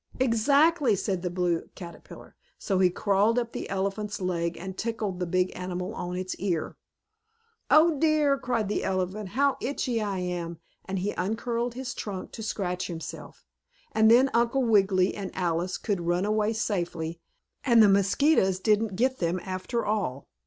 "Exactly!" said the Blue Caterpillar. So he crawled up the elephant's leg, and tickled the big animal on its ear. "Oh, dear!" cried the elephant. "How itchy I am!" and he uncurled his trunk to scratch himself, and then Uncle Wiggily and Alice could run away safely, and the mosquitoes didn't get them after all.